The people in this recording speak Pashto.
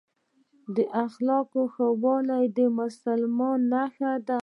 د اخلاقو ښه والي د مسلمان نښه ده.